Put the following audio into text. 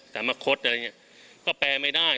แต่มะคดอะไรอย่างนี้ก็แปลไม่ได้